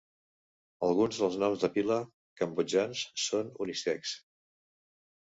Alguns dels noms de pila cambodjans són unisex.